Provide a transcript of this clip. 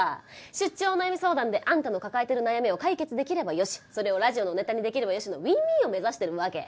出張お悩み相談であんたの抱えてる悩みを解決できればよしそれをラジオのネタにできればよしのＷｉｎ−Ｗｉｎを目指してるわけ。